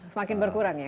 semakin berkurang ya